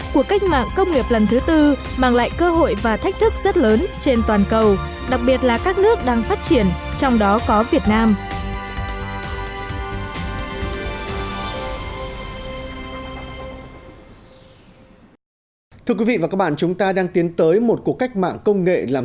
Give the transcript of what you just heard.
cuộc cách mạng công nghiệp lần thứ tư mang lại cơ hội và thách thức rất lớn trên toàn cầu đặc biệt là các nước đang phát triển trong đó có việt nam